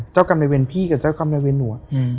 กรรมในเวรพี่กับเจ้ากรรมในเวรหนู